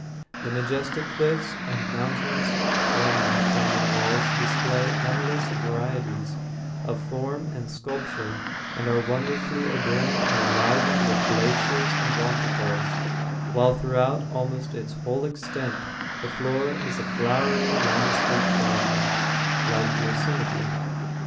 The majestic cliffs and mountains forming the cañon walls display endless variety of form and sculpture, and are wonderfully adorned and enlivened with glaciers and waterfalls, while throughout almost its whole extent the floor is a flowery landscape garden, like Yosemite.